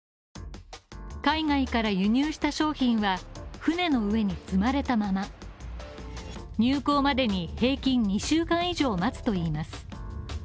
海外から輸入した商品は、船の上に積まれたまま入港までに平均２週間以上待つといいます。